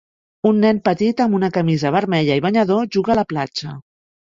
Un nen petit amb una camisa vermella i banyador juga a la platja.